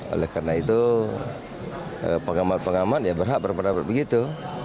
oleh karena itu pengamat pengamat berhak berperan begitu